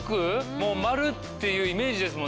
もう丸っていうイメージですもんね